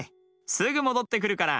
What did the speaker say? すぐもどってくるから。